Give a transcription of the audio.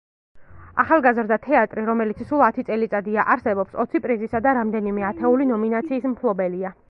ახალგაზრდა თეატრი, რომელიც სულ ათი წელიწადია არსებობს, ოცი პრიზისა და რამდენიმე ათეული ნომინაციის მფლობელია.